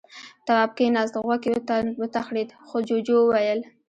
تواب کېناست. غوږ يې وتخڼېد. جُوجُو وويل: